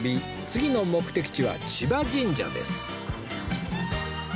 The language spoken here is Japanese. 次の目的地は千葉神社です